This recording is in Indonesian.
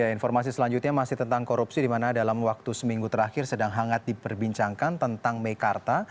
informasi selanjutnya masih tentang korupsi di mana dalam waktu seminggu terakhir sedang hangat diperbincangkan tentang mekarta